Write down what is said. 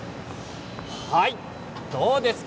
どうですか。